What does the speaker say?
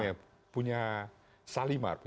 suami punya salimar